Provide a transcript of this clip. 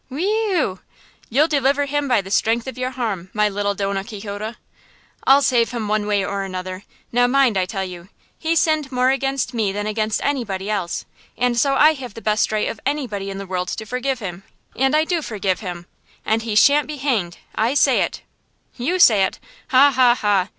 "Whe ew! You'll deliver him by the strength of your arm, my little Donna Quixota." "I'll save him one way or another, now mind I tell you! He sinned more against me than against anybody else, and so I have the best right of anybody in the world to forgive him, and I do forgive him! And he shan't be hanged! I say it!" "You say it! Ha! ha! ha!